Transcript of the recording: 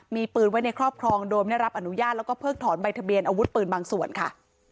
มีปืนไว้ในครอบครองโดยไม่รับอนุญาตแล้วก็เพิกถอนใบทะเบียนอาวุธปืนบางส่วนค่ะ